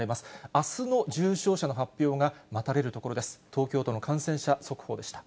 あすの重症者の発表が待たれるところです。